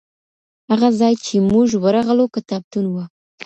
هغه ځای چي موږ ورغلو کتابتون و.